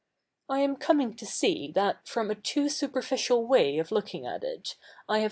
lam coming to see that, from a too superficial way of looking at it, I have do?